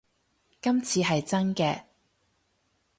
今次係真嘅